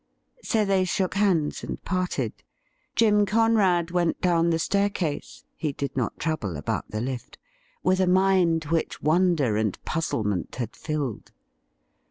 So they shook hands and parted. Jim Conrad went down the staircase — ^he did not trouble about the lift — with a mind which wonder and puzzlement had filled.